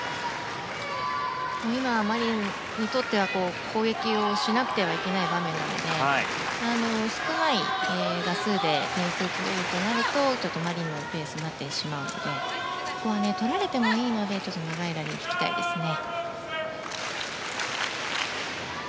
今、マリンにとっては攻撃しなくてはいけない場面ですので少ない打数で点数が取れるとなるとちょっとマリンのペースになってしまうのでここは取られてもいいので長いラリーを引きたいですね。